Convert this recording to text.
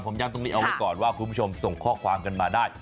ผมย้ำตรงนี้เอาไว้ก่อนว่าคุณผู้ชมส่งข้อความกันมาได้